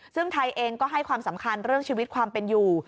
ซึ่งไทยเองก็ให้ความสำคัญเรื่องชีวิตความเป็นอยู่